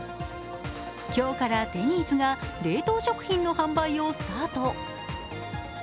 今日からデニーズが冷凍食品の販売をスタート。